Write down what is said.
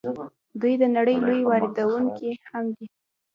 دوی د نړۍ لوی واردونکی هم دي.